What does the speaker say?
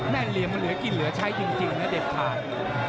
นั่นเหรียงมาเรียกอยู่และใช้จริงและเด็ดภาย